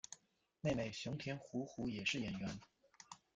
妹妹熊田胡胡也是演员。